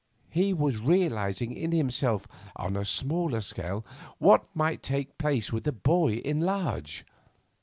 He was realising in himself on a smaller scale what might take place with the boy in large.